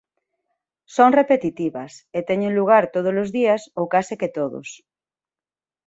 Son repetitivas e teñen lugar todos os días ou case que todos.